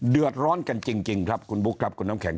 เดือดร้อนกันจริงครับคุณบุ๊คครับคุณน้ำแข็ง